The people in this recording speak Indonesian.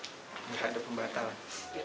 nggak ada pembatalan